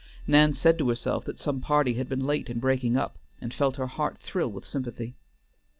Nan said to herself that some party had been late in breaking up, and felt her heart thrill with sympathy.